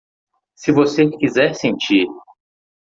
Se você quiser sentir